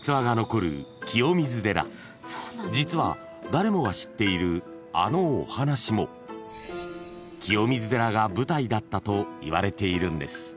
［実は誰もが知っているあのお話も清水寺が舞台だったといわれているんです］